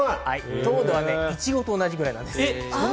糖度はいちごと同じくらいなんです。